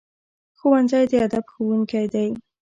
ښوونځی د ادب ښوونکی دی